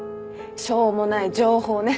しょうもない情報ね。